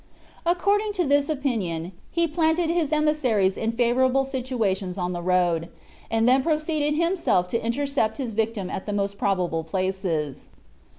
According to this opinion, he planted his emissaries in favorable situations on the road, and then proceeded himself to intercept his victim at the most probable places.